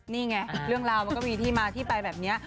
นี่ไงเรื่องราวมันก็มีที่มาที่ไปแบบนี้